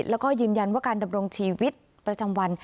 แล้วก็ยืนยันว่าการดำรงชีวิตประจำวัน